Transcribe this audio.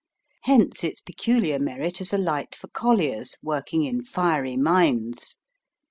Hence its peculiar merit as a light for colliers working in fiery mines.